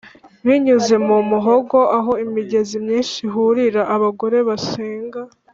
binyuze mu muhogo aho imigezi myinshi ihurira, abagore basenga,